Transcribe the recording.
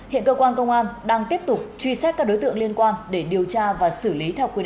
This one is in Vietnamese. hiện cơ quan công an đang tiếp tục truy xét các đối tượng liên quan để điều tra và xử lý theo quy định